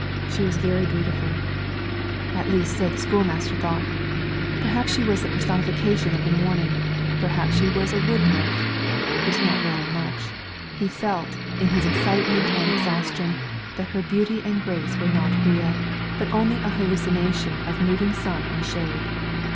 She was very beautiful, at least so the schoolmaster thought; perhaps she was the personification of the morning, perhaps she was a wood nymph it did not matter much; he felt, in his excitement and exhaustion, that her beauty and grace were not real, but only an hallucination of moving sun and shade.